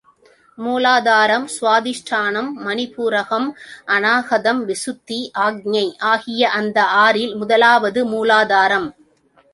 மூலாதாரம், சுவாதிஷ்டானம், மணிபூரகம், அநாகதம், விசுத்தி, ஆக்ஞை ஆகிய அந்த ஆறில் முதலாவது மூலாதாரம்.